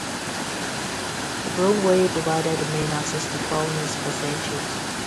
The Broomway provided the main access to Foulness for centuries.